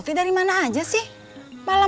pak kemet mukanya masih bengkak